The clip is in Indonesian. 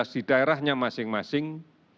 di daerahnya masing masing